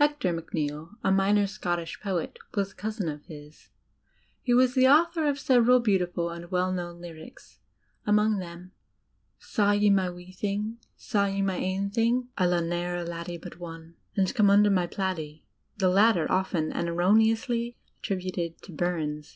Heaor Macneill, a minor Scottish poet, was a cousin of his. He was the author of several beautiful and well known lyrics, among them "Saw ye my wee thing, saw ye '"' .,™.,Google my ain thing," "I lo'e ne'er a laddie but one," and "Come under my plaidie" the latter often and erroneously at tributed to Bums.